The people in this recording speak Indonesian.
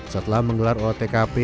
setelah menggelar oleh tkp